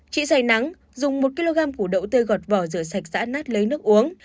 chị xảy nắng dùng một kg củ đậu tươi gọt vỏ rửa sạch dã nát lấy nước uống